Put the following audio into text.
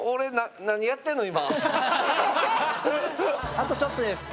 あとちょっとです！